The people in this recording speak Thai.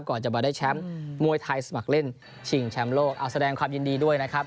ก่อนจะมาได้แชมพ์ถ่ายสมัครเล่นะแสดงความยินดีด่วยน่ะครับ